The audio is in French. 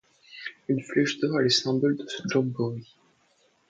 Une flèche d'or est le symbole de ce jamboree.